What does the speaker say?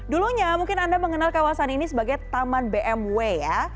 dulunya mungkin anda mengenal kawasan ini sebagai taman bmw ya